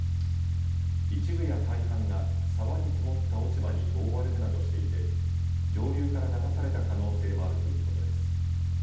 一部や大半が沢に積もった落ち葉に覆われるなどしていて上流から流された可能性もあるということです。